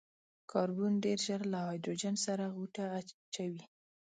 کاربن ډېر ژر له هايډروجن سره غوټه اچوي.